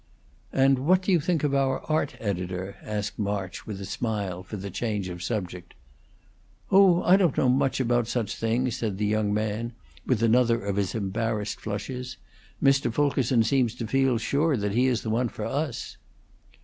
"And what do you think of our art editor?" asked March, with a smile, for the change of subject. "Oh, I don't know much about such things," said the young man, with another of his embarrassed flushes. "Mr. Fulkerson seems to feel sure that he is the one for us."